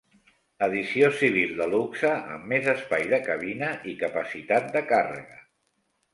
Edició civil de luxe amb més espai de cabina i capacitat de càrrega.